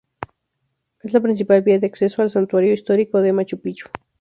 Es la principal vía de acceso al Santuario Histórico de Machu Picchu.